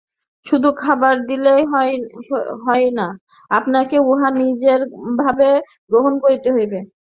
শুধু খাবার দিলেই হইল না, আপনাকে উহা নিজের ভাবে গ্রহণ করিতে হইবে।